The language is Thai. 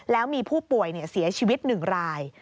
แล้วมีผู้ป่วยเนี่ยเสียชีวิตหนึ่งราย